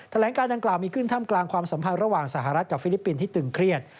แถลงการดังกล่าวมีขึ้นท่ามกลางความสัมพันธ์ระหว่างสหรัฐกับฟิลิปปินส์ที่ตึงเครียด